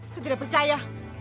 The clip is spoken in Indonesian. saya tidak percaya